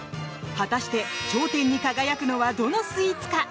果たして頂点に輝くのはどのスイーツか。